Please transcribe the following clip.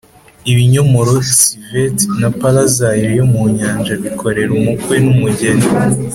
ibinyomoro, civet, na parisile yo mu nyanja bikorera umukwe n'umugeni